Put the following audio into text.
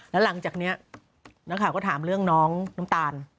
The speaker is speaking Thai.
แล้วหลังจากนี้นักข่าวก็ถามเรื่องน้องน้ำตาล